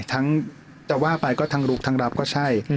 จะว่าไปก็ทั้งลุกทั้งรับก็ใช่